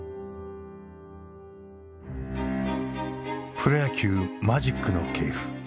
プロ野球マジックの系譜。